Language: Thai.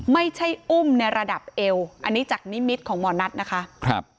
ไม่ใช่อุ้มในระดับเอวอันนี้จากนิมิตของหมอนัทนะคะครับ